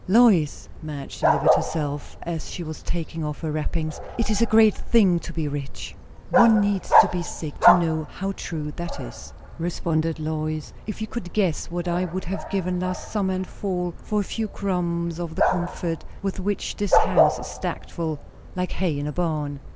"Lois," Madge delivered herself as she was taking off her wrappings, "it is a great thing to be rich!" "One needs to be sick to know how true that is," responded Lois. "If you could guess what I would have given last summer and fall for a few crumbs of the comfort with which this house is stacked full like hay in a barn!"